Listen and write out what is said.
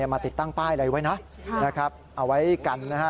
มาติดตั้งป้ายอะไรไว้นะนะครับเอาไว้กันนะฮะ